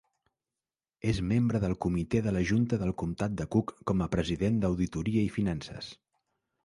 És membre del Comitè de la Junta del comtat de Cook com a president d'Auditoria i Finances.